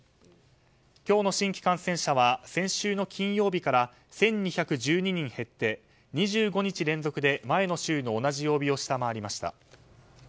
今日の新規感染者は先週の金曜日から１２１２人減って、２５日連続で前の週の同じ曜日を下回りました。